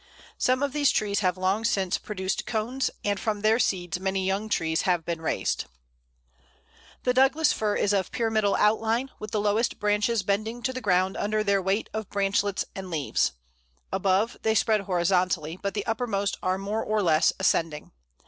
Some of these trees have long since produced cones, and from their seeds many young trees have been raised. [Illustration: Douglas Fir. A, female flower; B, male flower.] The Douglas Fir is of pyramidal outline, with the lowest branches bending to the ground under their weight of branchlets and leaves; above, they spread horizontally, but the uppermost are more or less ascending.